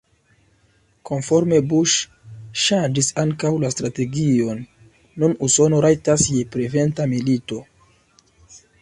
Konforme Bush ŝanĝis ankaŭ la strategion: nun Usono rajtas je preventa milito.